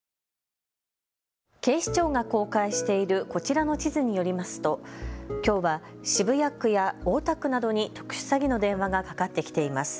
警視庁が公開しているこちらの地図によりますときょうは渋谷区や大田区などに特殊詐欺の電話がかかってきています。